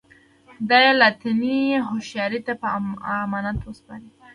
دا یې لایتناهي هوښیاري ته په امانت سپاري